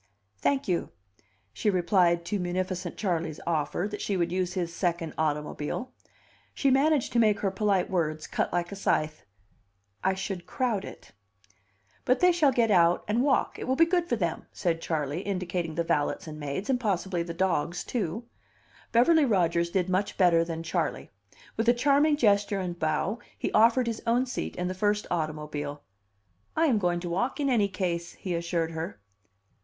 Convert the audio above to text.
"Thank you," she replied to munificent Charley's offer that she would use his second automobile. She managed to make her polite words cut like a scythe. "I should crowd it." "But they shall get out and walk; it will be good for them," said Charley, indicating the valets and maids, and possibly the dogs, too. Beverly Rodgers did much better than Charley. With a charming gesture and bow, he offered his own seat in the first automobile. "I am going to walk in any case," he assured her.